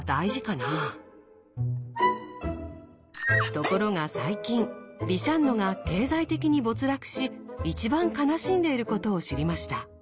ところが最近ビシャンノが経済的に没落し一番悲しんでいることを知りました。